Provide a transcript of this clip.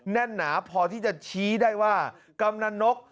แน่นหนาพอที่จะชี้ได้ว่ากำนันนก